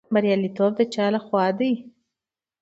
بریالیتوب د چا لخوا دی؟